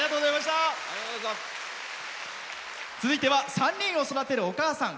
続いては３人を育てるお母さん。